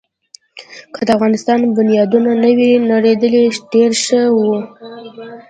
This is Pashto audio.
که د افغانستان بنیادونه نه وی نړېدلي، ډېر ښه وو.